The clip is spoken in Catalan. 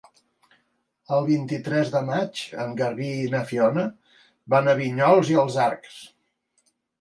El vint-i-tres de maig en Garbí i na Fiona van a Vinyols i els Arcs.